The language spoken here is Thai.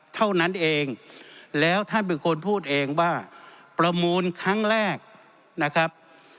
เท่านั้นเองแล้วท่านเป็นคนพูดเองว่าประมูลครั้งแรกนะครับ